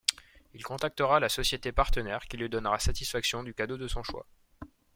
Il contactera la société partenaire qui lui donnera satisfaction du cadeau de son choix.